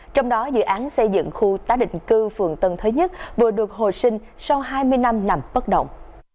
trong đó dự án xây dựng khu tái định cư phường tân thới nhất vừa được hồi sinh sau hai mươi năm nằm bất động